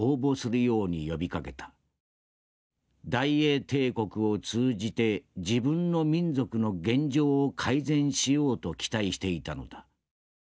大英帝国を通じて自分の民族の現状を改善しようと期待していたのだ」。